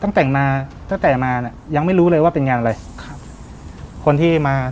ตั้งแต่งมาตั้งแต่มาเนี้ยยังไม่รู้เลยว่าเป็นงานอะไรครับคนที่มา